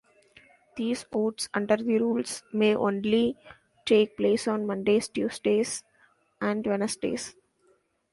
These votes, under the rules, may only take place on Mondays, Tuesdays, and Wednesdays.